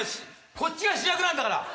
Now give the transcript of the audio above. こっちが主役なんだから！